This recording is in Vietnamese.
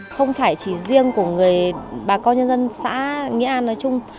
không phải chỉ riêng của người bà con nhân dân xã nghĩa an nói chung